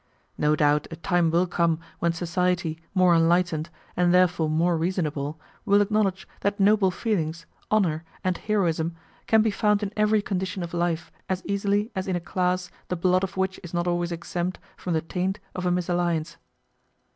No doubt a time will come when society, more enlightened, and therefore more reasonable, will acknowledge that noble feelings, honour, and heroism can be found in every condition of life as easily as in a class, the blood of which is not always exempt from the taint of a misalliance.